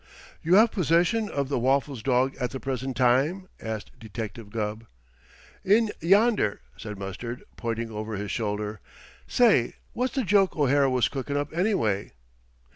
'" "You have possession of the Waffles dog at the present time?" asked Detective Gubb. "In yonder," said Mustard, pointing over his shoulder. "Say, what's the joke O'Hara was cookin' up, anyway?"